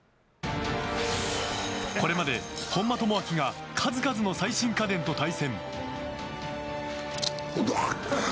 これまで、本間朋晃が数々の最新家電と対戦。